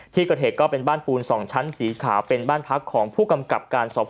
ที่เกิดเหตุก็เป็นบ้านปูน๒ชั้นสีขาวเป็นบ้านพักของผู้กำกับการสอบพ่อ